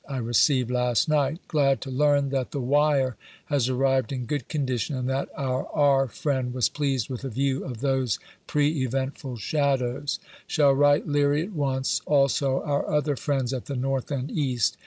I received last night — giad to learn that the " Wire'' has arrived in good condition, and that our " R" friend was pleased with a view of those " prc evcntful shadows." . Shall write Leary at once, also our other friends at the North and East.